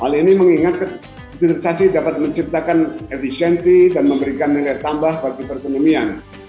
hal ini mengingat hilirisasi dapat menciptakan efisiensi dan memberikan nilai tambah bagi perekonomian